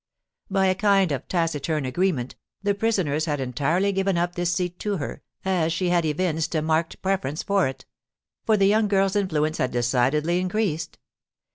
By a kind of taciturn agreement, the prisoners had entirely given up this seat to her, as she had evinced a marked preference for it, for the young girl's influence had decidedly increased.